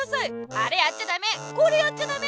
「あれやっちゃダメこれやっちゃダメ」。